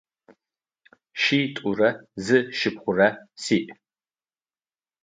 Шитӏурэ зы шыпхъурэ сиӏ.